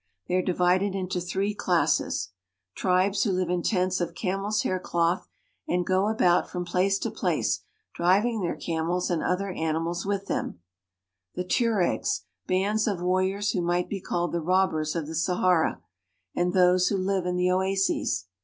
They are divided into three classes : tribes who live in tents of camel's hair cloth and go about from place to place, driving their camels and other animals with them ; the Tueregs, bands of warriors, who might be called the robbers of the Sahara ; and those who live in the oases.